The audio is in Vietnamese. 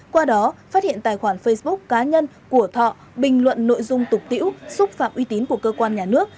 qua đó phát hiện tài khoản facebook cá nhân của thọ bình luận nội dung tục tiễu xúc phạm uy tín của cơ quan nhà nước